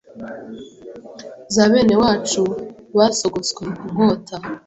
Za benewacu basogoswe inkota